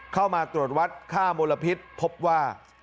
เข้ามาตรวจวัดค่ามลพิษพบว่า